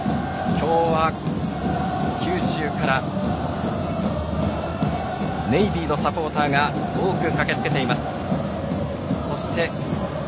今日は九州からネイビーのサポーターが多くかけつけています。